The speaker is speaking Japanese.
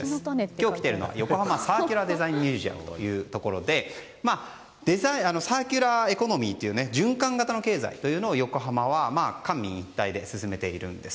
今日来ているのは横浜サーキュラーデザインミュージアムというところでサーキュラーエコノミーという循環型の経済というのを横浜は官民一体で進めています。